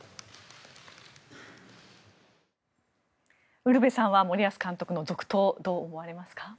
ウルヴェさんは森保監督の続投をどう思われますか？